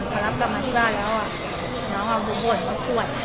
พอรับกลับมาที่บ้านแล้วอ่ะน้องเอาดูปวดเขาปวด